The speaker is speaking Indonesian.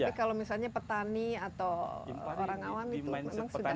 tapi kalau misalnya petani atau orang awam itu memang sudah